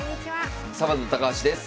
サバンナ高橋です。